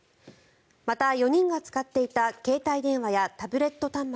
また、４人が使っていた携帯電話やタブレット端末